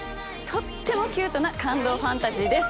とってもキュートな感動ファンタジーです。